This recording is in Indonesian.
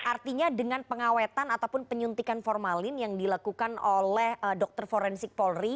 artinya dengan pengawetan ataupun penyuntikan formalin yang dilakukan oleh dr forensik paul ri